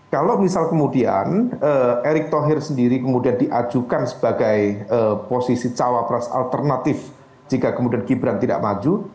kalau misal kemudian erick thohir sendiri kemudian diajukan sebagai posisi cawapres alternatif jika kemudian gibran tidak maju